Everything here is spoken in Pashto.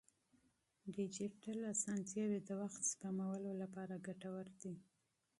ډیجیټل وسایل د وخت سپمولو لپاره ګټور دي.